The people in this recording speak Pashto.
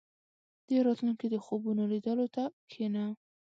• د راتلونکي د خوبونو لیدلو ته کښېنه.